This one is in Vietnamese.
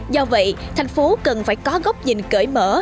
do vậy thành phố cần phải có góc nhìn cởi mở